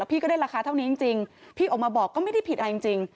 พี่ก็ได้ราคาเท่านี้จริงพี่ออกมาบอกก็ไม่ได้ผิดอะไรจริง